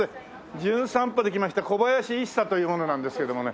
『じゅん散歩』で来ました小林一茶という者なんですけどもね。